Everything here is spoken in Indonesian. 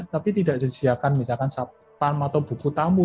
tapi tidak disiarkan misalkan panggung atau buku tamu